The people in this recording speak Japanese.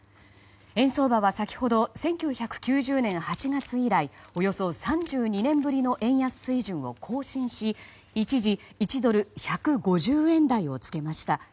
円相場は先ほど１９９０年８月以来およそ３２年ぶりの円安水準を更新し一時１ドル＝１５０円台をつけました。